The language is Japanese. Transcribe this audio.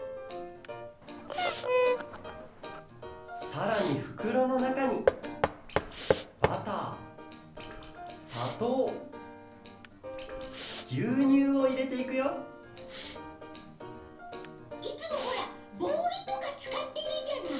さらにふくろのなかにバターさとうぎゅうにゅうをいれていくよいつもほらボウルとかつかってるじゃない。